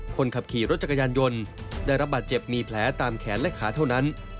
คนขับขี่รถจักรยานยนต์ได้รับบาดเจ็บมีแผลตามแขนและขาเท่านั้น